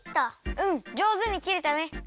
うんじょうずにきれたね。